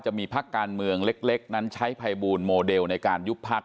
จะมีพักการเมืองเล็กนั้นใช้ภัยบูลโมเดลในการยุบพัก